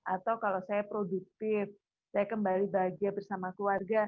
atau kalau saya produktif saya kembali bahagia bersama keluarga